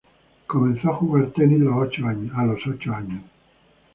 Comenzó a jugar tenis los ocho años.